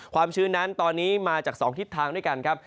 ชื้นนั้นตอนนี้มาจาก๒ทิศทางด้วยกันครับ